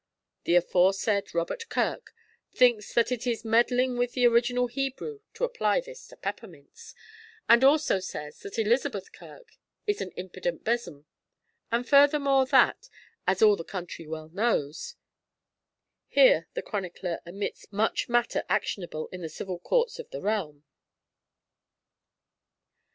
"' The aforesaid Robert Kirk thinks that it is meddling with the original Hebrew to apply this to peppermints, and also says that Elizabeth Kirk is an impident besom, and furthermore that, as all the country well knows (Here the chronicler omits much matter actionable in the civil courts of the realm).